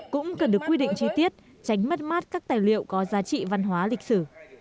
cũng cần được quy định chi tiết tránh mất mát các tài liệu có giá trị văn hóa lịch sử